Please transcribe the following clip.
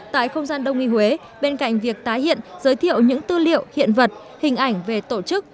tại không gian đông y huế bên cạnh việc tái hiện giới thiệu những tư liệu hiện vật hình ảnh về tổ chức